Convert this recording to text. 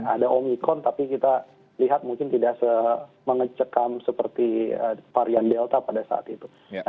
ada omikron tapi kita lihat mungkin tidak semengekam seperti varian delta pada saat itu